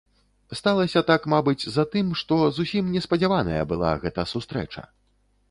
Сталася так, мабыць, затым, што зусім неспадзяваная была гэта сустрэча.